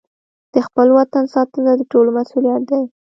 د خپل وطن ساتنه د ټولو مسوولیت دی.